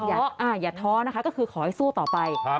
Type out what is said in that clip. อย่าท้อนะคะก็คือขอให้สู้ต่อไป